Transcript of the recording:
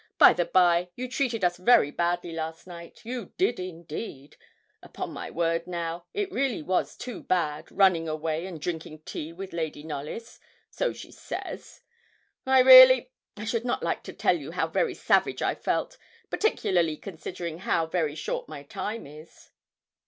By the by, you treated us very badly last night you did, indeed; upon my word, now, it really was too bad running away, and drinking tea with Lady Knollys so she says. I really I should not like to tell you how very savage I felt, particularly considering how very short my time is.'